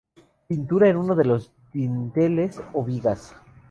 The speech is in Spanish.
Pintura en uno de los dinteles o vigas.